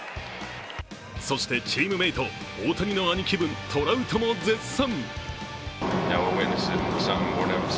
そしてチームメート大谷の兄貴分トラウトも絶賛。